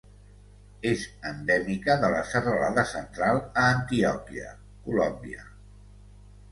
És endèmica de la Serralada Central a Antioquia, Colòmbia.